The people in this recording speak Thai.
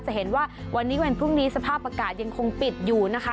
จะเห็นว่าวันนี้วันพรุ่งนี้สภาพอากาศยังคงปิดอยู่นะคะ